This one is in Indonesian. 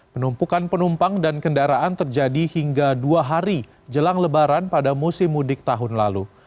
penumpukan penumpang dan kendaraan terjadi hingga dua hari jelang lebaran pada musim mudik tahun lalu